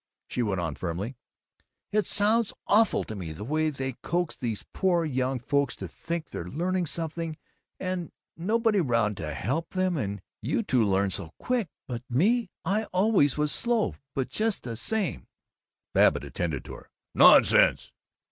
She went on firmly: "It sounds awful to me, the way they coax those poor young folks to think they're learning something, and nobody 'round to help them and You two learn so quick, but me, I always was slow. But just the same " Babbitt attended to her: "Nonsense!